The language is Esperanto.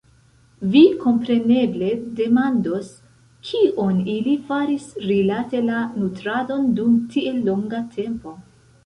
Vi kompreneble demandos, kion ili faris rilate la nutradon dum tiel longa tempo?